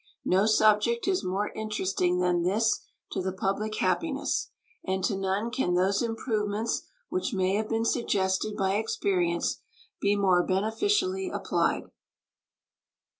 No subject is more interesting than this to the public happiness, and to none can those improvements which may have been suggested by experience be more beneficially applied.